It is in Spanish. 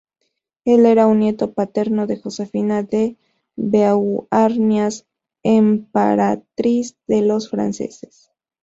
Él era un nieto paterno de Josefina de Beauharnais, emperatriz de los franceses.